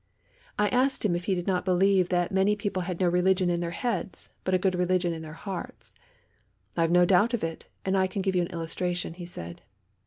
I asked him if he did not believe that many people had no religion in their heads, but a good religion in their hearts. "I have no doubt of it, and I can give you an illustration," he said.